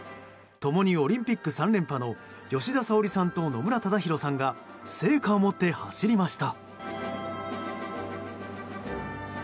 共にオリンピック３連覇の吉田沙保里さんと野村忠宏さんが聖火を持って走りました。